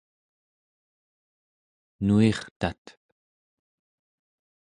nuirtat